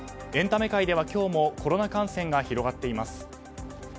エンタメ界では今日もコロナ感染が広がっています。